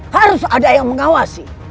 harus ada yang mengawasi